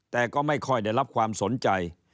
แต่ก็ไม่ค่อยได้รับความสนใจ